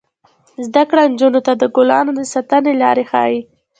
زده کړه نجونو ته د ګلانو د ساتنې لارې ښيي.